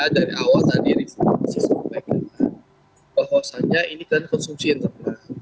dari awal tadi saya masih sampaikan bahwasannya ini kan konsumsi yang terbaik